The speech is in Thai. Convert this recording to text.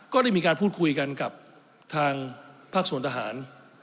ก็ได้มีการพูดคุยกันกับทางภาคส่วนทหาร